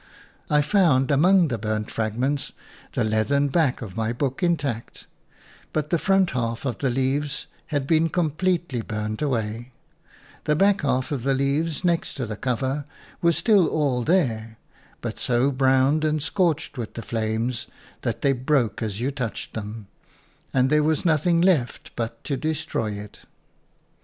I found among the burnt fragments the leathern back of my book intact, but the front half of the leaves had been completely burnt away; the back half of the leaves next to the cover were still all there, but so browned and scorched with the flames that they broke as you touched them; and there was nothing left but to destroy it.